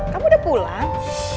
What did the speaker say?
kamu udah pulang